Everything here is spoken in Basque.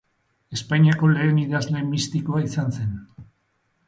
Espainiako lehen idazle mistikoa izan zen.